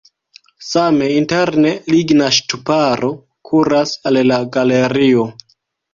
Same interne ligna ŝtuparo kuras al la galerio.